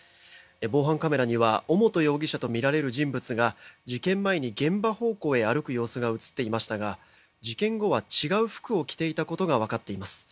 防犯カメラには尾本容疑者とみられる人物が事件前に現場方向に歩く様子が映っていましたが事件後は違う服を着ていたことが分かっています。